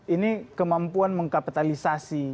ini kemampuan mengkapitalisasi